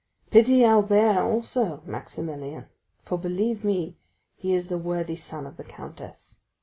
"Pity Albert also, Maximilian; for believe me he is the worthy son of the countess.